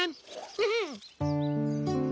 うん？